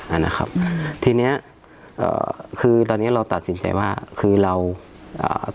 อ่านะครับอืมทีเนี้ยเอ่อคือตอนเนี้ยเราตัดสินใจว่าคือเราอ่า